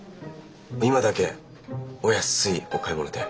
今だけお安いお買い物で。